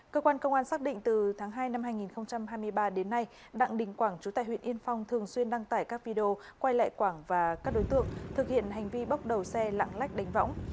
cơ quan công an xác định từ tháng hai năm hai nghìn hai mươi ba đến nay đặng đình quảng chú tài huyện yên phong thường xuyên đăng tải các video quay lại quảng và các đối tượng thực hiện hành vi bốc đầu xe lãng lách đánh võng